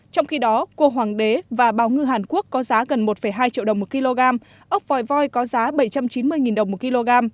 trong khi đó cua hoàng đế và bào ngư hàn quốc có giá gần một hai triệu đồng một kg ốc vòi voi có giá bảy trăm chín mươi đồng một kg